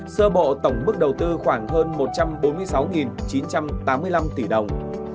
sơ bộ tổng mức đầu tư khoảng hơn một trăm bốn mươi sáu chín trăm tám mươi năm tỷ đồng